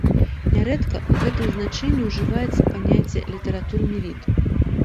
Нярэдка ў гэтым значэнні ўжываецца паняцце літаратурны від.